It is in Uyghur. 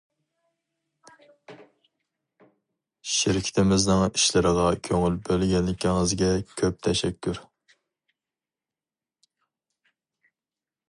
شىركىتىمىزنىڭ ئىشلىرىغا كۆڭۈل بۆلگەنلىكىڭىزگە كۆپ تەشەككۈر.